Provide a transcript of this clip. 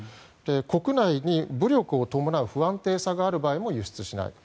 国内に武力を伴う不安定さがある場合も輸出しない